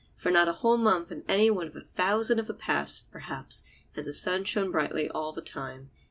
For not a whole month in any one of the thousand of the past, perhaps, has the sun shone brilliantly all the time.